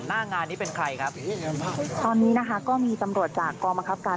หน้างานนี้เป็นใครครับตอนนี้นะคะก็มีตำรวจจากกองบังคับการ